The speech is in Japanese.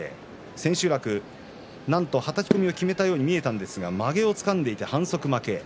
千秋楽、なんとはたき込みをきめたように見えましたがまげをつかんでいて反則負け。